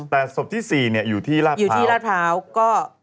แต่ศพที่๔อยู่ที่ลาดพร้าวอยู่ที่ลาดพร้าวก็